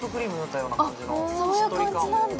ホントにそういう感じなんだ